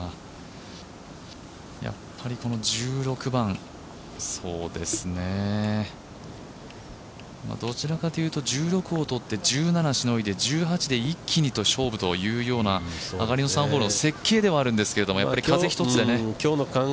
やっぱり１６番、どちらかというと１６をとって１７をしのいで１８で一気に勝負というような上がりの３ホールの設計ではあるんですけれども、やっぱり風一つでね。